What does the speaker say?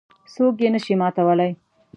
څوک یې نه شي ماتولای.